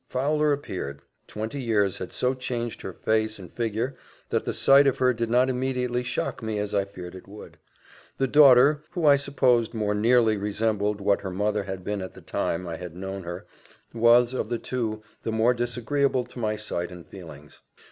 Fowler appeared twenty years had so changed her face and figure, that the sight of her did not immediately shock me as I feared it would. The daughter, who, I suppose, more nearly resembled what her mother had been at the time I had known her, was, of the two, the most disagreeable to my sight and feelings.